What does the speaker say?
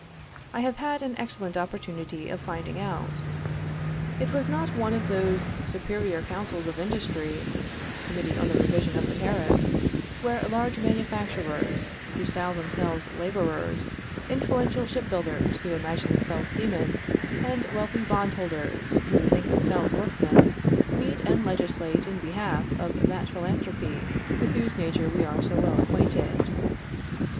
I have had an excellent opportunity of finding out. It was not one of those Superior Councils of Industry (Committee on the Revision of the Tariff), where large manufacturers, who style themselves laborers, influential ship builders who imagine themselves seamen, and wealthy bondholders who think themselves workmen, meet and legislate in behalf of that philanthropy with whose nature we are so well acquainted.